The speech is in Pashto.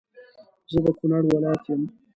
زه د کونړ ولایت يم